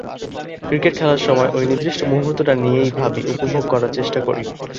Cricket খেলার সময় ওই নির্দিষ্ট মুহূর্তটা নিয়েই ভাবি, উপভোগ করার চেষ্টা করি।